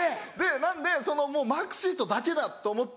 なのでマークシートだけだ！と思って。